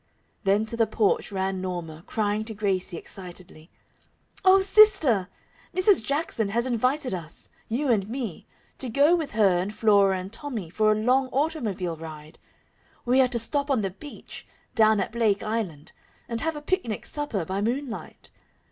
Then to the porch ran Norma, crying to Gracie, excitedly: "Oh, sister, Mrs. Jackson has invited us you and me to go with her and Flora and Tommy for a long automobile ride. We are to stop on the beach down at Blake Island and have a picnic supper by moonlight.